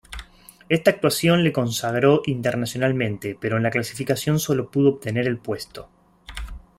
Esta actuación le consagró internacionalmente pero en la clasificación solo pudo obtener el puesto.